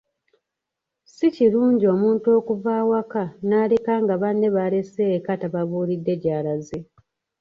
Si kirungi omuntu okuva awaka n’aleka nga banne balese eka tababuulidde gy’alaze.